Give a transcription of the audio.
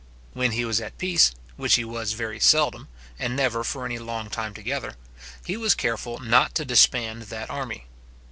When he was at peace, which he was very seldom, and never for any long time together, he was careful not to disband that army.